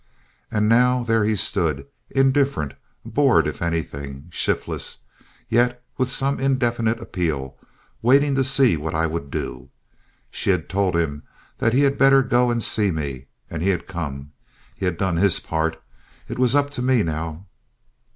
And now there he stood, indifferent, bored if anything, shiftless, yet with some indefinite appeal, waiting to see what I would do. She had told him that he had better go and see me, and he had come. He had done his part; it was up to me now.